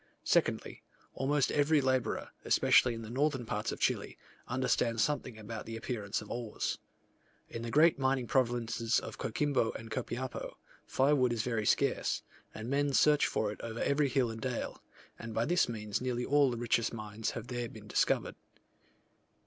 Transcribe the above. Secondly, almost every labourer, especially in the northern parts of Chile, understands something about the appearance of ores. In the great mining provinces of Coquimbo and Copiapo, firewood is very scarce, and men search for it over every hill and dale; and by this means nearly all the richest mines have there been discovered.